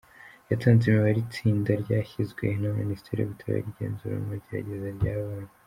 Yatanze imibare itsinda ryashinzwe na Minisiteri y’Ubutabera igenzura mu magereza ryabonye.